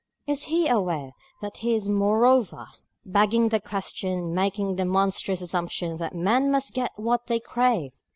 Is he aware that he is moreover begging the question, making the monstrous assumption that men must get what they crave?